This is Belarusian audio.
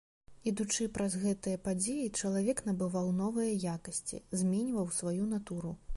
Ідучы праз гэтыя падзеі, чалавек набываў новыя якасці, зменьваў сваю натуру.